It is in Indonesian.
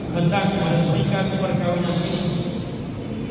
hendak meresmikan perkawinan ini